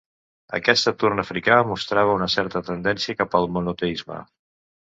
Aquest Saturn africà mostrava una certa tendència cap al monoteisme.